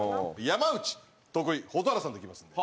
山内徳井蛍原さんでいきますんで。